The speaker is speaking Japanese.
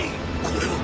これは。